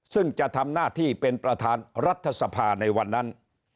ซึ่งจะทำหน้าที่เป็นประธานรัฐสภาในวันนั้น